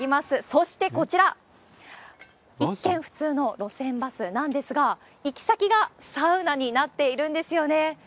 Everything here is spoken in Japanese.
そしてこちら、一見普通の路線バスなんですが、行き先が、サウナになっているんですよね。